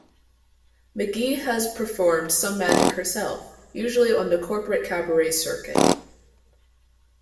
McGee has performed some magic herself, usually on the corporate cabaret circuit.